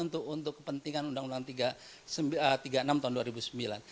untuk kepentingan undang undang tiga puluh enam tahun dua ribu sembilan